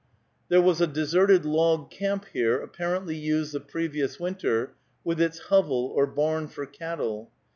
There was a deserted log camp here, apparently used the previous winter, with its "hovel" or barn for cattle.